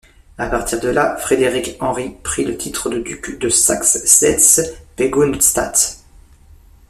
À partir de là, Frederick Henry pris le titre de duc de Saxe-Zeitz-Pegau-Neustadt.